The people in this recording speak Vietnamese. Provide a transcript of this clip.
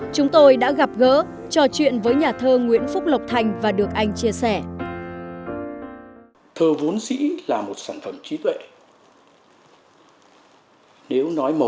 chúng tôi đã gặp gỡ trò chuyện với nhà thơ nguyễn phúc lộc thành và được anh chia sẻ